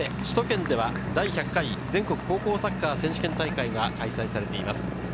首都圏では第１００回全国高校サッカー選手権大会が開催されています。